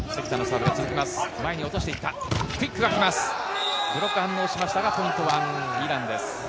ブロックが反応しましたがポイントはイランです。